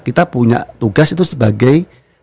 kita punya tugas itu sebagai